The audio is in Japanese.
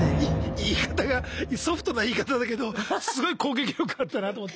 言い方がソフトな言い方だけどすごい攻撃力あったなと思って。